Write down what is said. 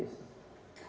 dia sudah tahu